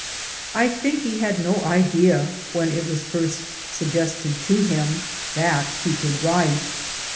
I think he had no idea, when it was lirst sug gested to him, that he could write.